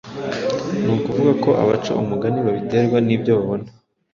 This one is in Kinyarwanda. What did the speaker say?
Ni ukuvuga ko abaca umugani babiterwa n’ibyo babona